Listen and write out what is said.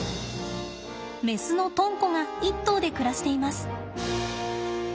メスのとんこが１頭で暮らしています。